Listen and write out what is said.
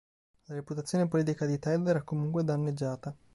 Le reputazione politica di Ted era comunque danneggiata.